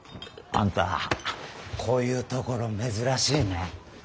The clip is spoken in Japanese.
あんたこういう所珍しいね。